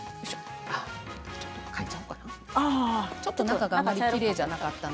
ちょっと変えちゃおうかな中があまりきれいじゃなかった。